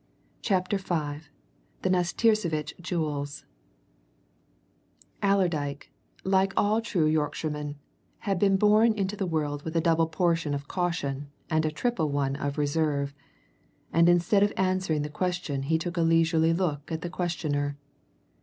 CHAPTER V THE NASTIRSEVITCH JEWELS Allerdyke, like all true Yorkshiremen, had been born into the world with a double portion of caution and a triple one of reserve, and instead of answering the question he took a leisurely look at the questioner.